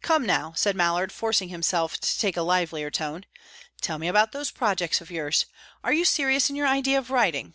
"Come now," said Mallard, forcing himself to take a livelier tone, "tell me about those projects of yours. Are you serious in your idea of writing?"